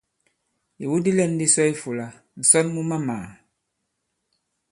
Ìwu di lɛ̂n di sɔ i ifūlā: ǹsɔn mu mamàà.